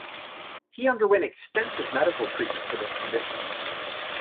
He underwent extensive medical treatment for this condition.